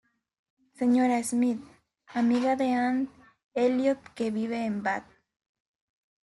Señora Smith: amiga de Anne Elliot que vive en Bath.